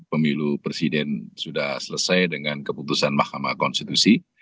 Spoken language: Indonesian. pemilu presiden sudah selesai dengan keputusan mahkamah konstitusi